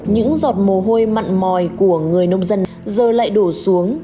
những giọt mồ hôi mặn mòi của người nông dân giờ lại đổ xuống